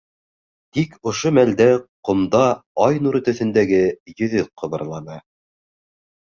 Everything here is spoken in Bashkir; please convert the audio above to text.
Тик ошо мәлдә ҡомда ай нуры төҫөндәге йөҙөк ҡыбырланы.